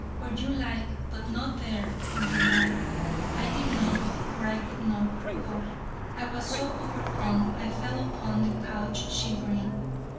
where you like, ... but not there...! for your life!' I did not for I could not go: I was so overcome. I fell upon the couch shivering.